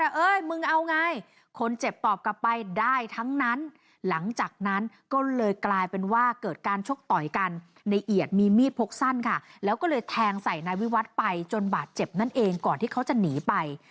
เอ้ยมึงเอาไงคนเจ็บตอบกลับไปได้ทั้งนั้นหลังจากนั้นก็เลยกลายเป็นว่าเกิดการชกต่อยกันในเอียดมีมีดพกสั้นค่ะแล้วก็เลยแทงใส่นายวิวัตรไปจนบาดเจ็บนั่นเองก่อนที่เขาจะหนีไป